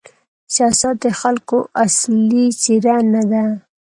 سیاست د خلکو اصلي څېره نه ده.